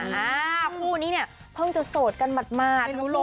คู่นี้เนี่ยเพิ่งจะโสดกันมากทั้งคู่เลย